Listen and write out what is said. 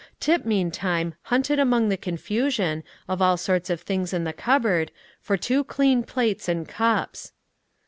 Tip, meantime, hunted among the confusion, of all sorts of things in the cupboard, for two clean plates and cups.